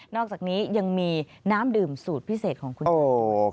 อกจากนี้ยังมีน้ำดื่มสูตรพิเศษของคุณยาย